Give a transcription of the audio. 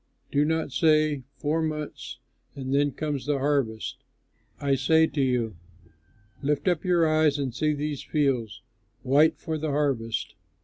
Do not say, 'Four months and then comes the harvest'; I say to you, lift up your eyes and see these fields white for the harvest!